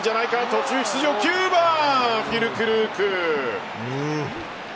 途中出場９番、フュルクルーク。